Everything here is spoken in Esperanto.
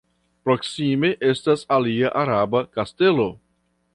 Proksime estas alia araba kastelo.